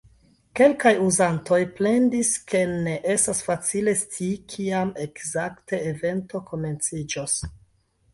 Kelkaj uzantoj plendis, ke ne estas facile scii kiam ekzakte evento komenciĝas.